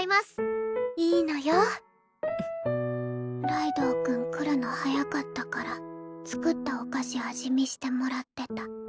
ライドウ君来るの早かったから作ったお菓子味見してもらってた。